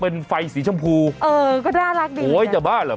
เปิดไฟขอทางออกมาแล้วอ่ะ